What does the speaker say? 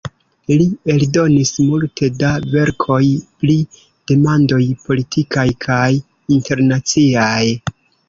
Li eldonis multe da verkoj pri demandoj politikaj kaj internaciaj.